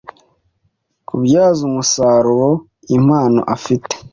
kubyaza umusaruro impano afite